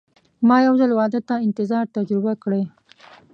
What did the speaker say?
ما یو ځل واده ته انتظار تجربه کړی.